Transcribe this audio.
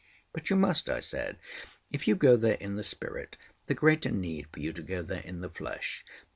"But you must," I said. "If you go there in the spirit the greater need for you to go there in the flesh.